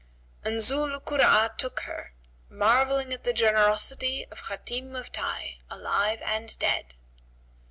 '" And Zu 'l Kura'a took her, marvelling at the generosity of Hatim of Tayy alive and dead.